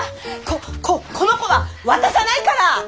こここの子は渡さないから！